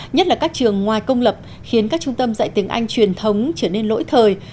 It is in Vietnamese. nhất là các trường ngoài công lập khiến các trung tâm dạy tiếng anh truyền thống trở nên lỗi thời